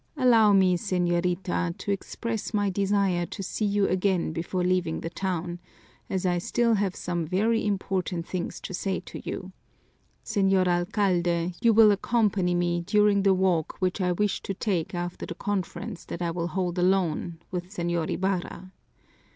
"Allow me, señorita, to express my desire to see you again before leaving the town, as I still have some very important things to say to you. Señor Alcalde, you will accompany me during the walk which I wish to take after the conference that I will hold alone with Señor Ibarra."